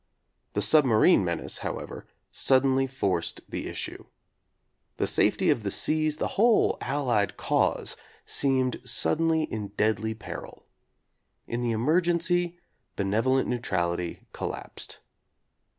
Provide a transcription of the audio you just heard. The submarine menace, however, suddenly forced the issue. The safety of the seas, the whole Allied cause, seemed suddenly in deadly peril. In the emergency be nevolent neutrality collapsed.